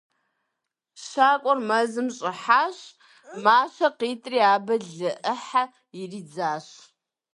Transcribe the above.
Щакӏуэр мэзым щӏыхьащ, мащэ къитӏри, абы лы ӏыхьэ иридзащ.